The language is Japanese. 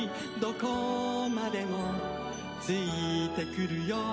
どこまでもついてくるよ」